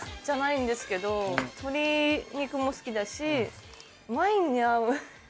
じゃないんですけど鶏肉も好きだしワインに合う。